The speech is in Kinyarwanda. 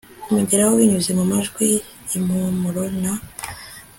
kumugeraho binyuze mumajwi, impumuro na